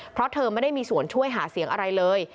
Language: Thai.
เพราะเธอไม่ได้มีส่วนช่วยหาเสียงอะไรเลย